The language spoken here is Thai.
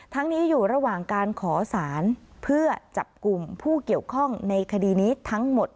นี้อยู่ระหว่างการขอสารเพื่อจับกลุ่มผู้เกี่ยวข้องในคดีนี้ทั้งหมด